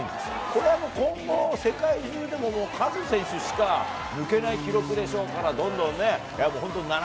これはもう今後、世界中でもカズ選手しか抜けない記録でしょうから、どんどんね、本当